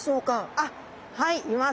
あっはいいます。